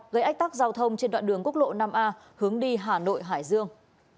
gây ách tắc giao thông trên đoạn đường quốc lộ năm a hướng đi hà nội hải dương